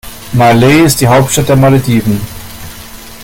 Malé ist die Hauptstadt der Malediven.